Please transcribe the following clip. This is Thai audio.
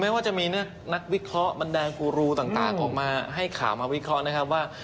ว่าจะมีนักวิเคราะห์บรรดากูรูต่างออกมาให้ข่าวมาวิเคราะห์นะครับว่า